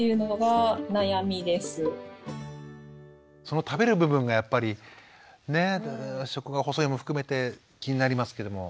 その食べる部分がやっぱりねっ食が細いも含めて気になりますけども。